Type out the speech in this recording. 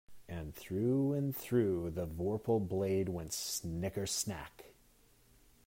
And through and through the vorpal blade went snicker-snack!